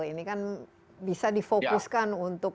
ini kan bisa difokuskan untuk